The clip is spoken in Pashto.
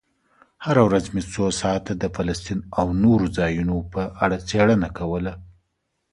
هره ورځ مې څو ساعته د فلسطین او نورو ځایونو په اړه څېړنه کوله.